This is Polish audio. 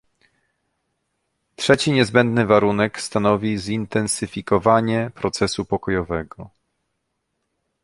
Trzeci niezbędny warunek stanowi zintensyfikowanie procesu pokojowego